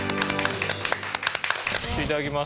いただきます。